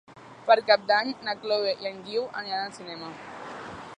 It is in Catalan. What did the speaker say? Per Cap d'Any na Chloé i en Guiu aniran al cinema.